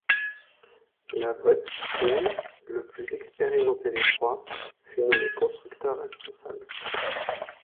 Lavotchkine, le plus expérimenté des trois, fut nommé constructeur responsable.